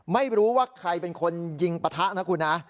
ไม่รู้ว่าใครเป็นคนยิงปะทะนะคุณนะ